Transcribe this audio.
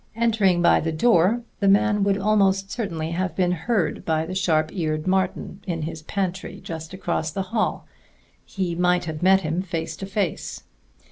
Entering by the door, the man would almost certainly have been heard by the sharp eared Martin in his pantry just across the hall; he might have met him face to face.